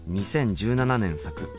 ２０１７年作。